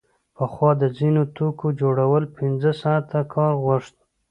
پخوا د ځینو توکو جوړول پنځه ساعته کار غوښت